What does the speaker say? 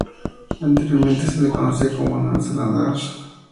Anteriormente se la conocía como "'New Zealand Ash'".